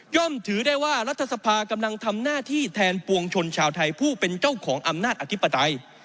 ถือได้ว่ารัฐสภากำลังทำหน้าที่แทนปวงชนชาวไทยผู้เป็นเจ้าของอำนาจอธิปไตย